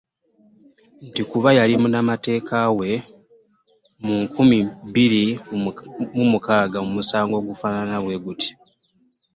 Nti kuba yali munnamateeka we mu nkumi bbiri mu mukaaga mu musango ogufaanana bweguti.